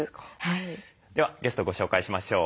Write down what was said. ではゲストをご紹介しましょう。